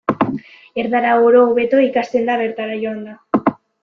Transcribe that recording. Erdara oro hobeto ikasten da bertara joanda.